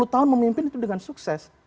sepuluh tahun memimpin itu dengan sukses